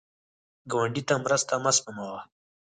ګاونډي ته مرسته مه سپموه